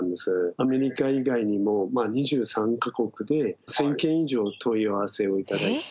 アメリカ以外にも２３か国で１，０００件以上問い合わせを頂いて。